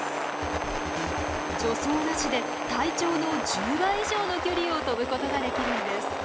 助走なしで体長の１０倍以上の距離を飛ぶことができるんです。